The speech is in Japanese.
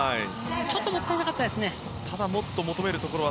ちょっともったいなかったですね。